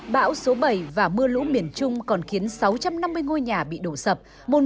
bão số bảy và mưa lũ miền trung còn khiến sáu trăm năm mươi ngôi nhà bị đổ sập